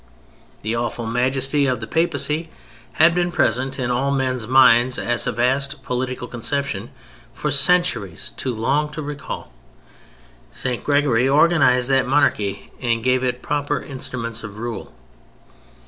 The awful majesty of the Papacy had been present in all men's minds as a vast political conception for centuries too long to recall; St. Gregory organized that monarchy, and gave it proper instruments of rule.